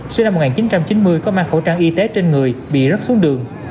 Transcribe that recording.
sinh năm một nghìn chín trăm chín mươi có mang khẩu trang y tế trên người bị rớt xuống đường